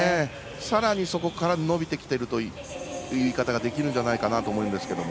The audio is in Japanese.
さらに、そこから伸びてきているという言い方ができるんじゃないかなと思うんですけれども。